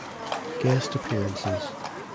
Guest appearances